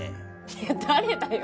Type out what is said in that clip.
いや誰だよ！